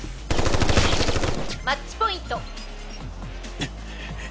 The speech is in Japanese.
「」「マッチポイント」